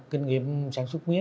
kinh nghiệm sản xuất mía